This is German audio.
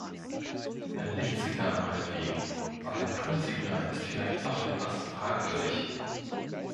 Ein Lichtsignal meinetwegen, aber ein Tonsignal ist vielleicht doch etwas fragwürdig.